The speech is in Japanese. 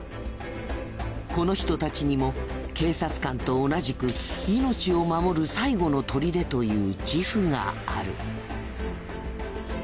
この人たちにも警察官と同じく命を守る最後の砦という自負がある。